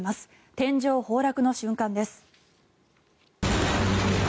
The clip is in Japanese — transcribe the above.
天井崩落の瞬間です。